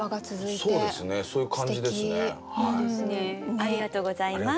ありがとうございます。